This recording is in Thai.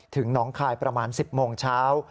น้องคายประมาณ๑๐โมงเช้า